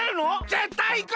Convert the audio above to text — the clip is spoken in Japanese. ぜったいいく！